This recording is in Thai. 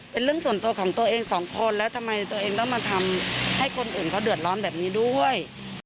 เป็นเรื่องส่วนตัวของตัวเองสองคนแล้วทำไมตัวเองต้องมาทำให้คนอื่นเขาเดือดร้อนแบบนี้ด้วย